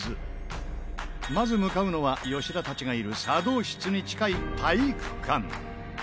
まず向かうのは吉田たちがいる茶道室に近い体育館。